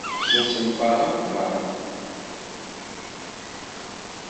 D asenfar amuqran.